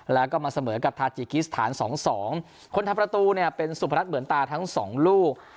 แล้วก็มาเสมอกับทาจิกิสถานสองสองคนทำประตูเนี่ยเป็นสุพรัชเหมือนตาทั้งสองลูก